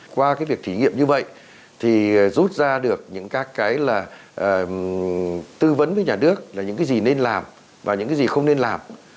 qua cái việc thí nghiệm như vậy thì rút ra được những các cái là tư vấn với nhà nước là những cái gì nên làm và những cái gì không nên làm